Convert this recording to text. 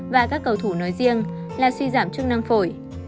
và các cầu thủ nói riêng là suy giảm chức năng phổi